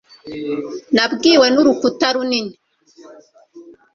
Nabwiwe nurukuta runini